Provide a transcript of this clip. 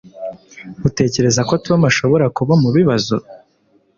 Utekereza ko Tom ashobora kuba mubibazo?